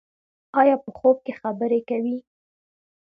ایا په خوب کې خبرې کوئ؟